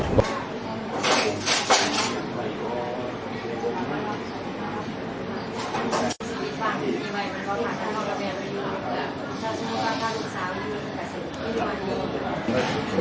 ผมค่อนข้างสงสัยใจ